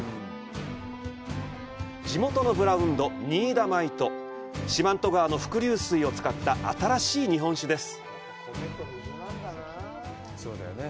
地元のブランド、仁井田米と四万十川の伏流水を使った新しい日本酒です。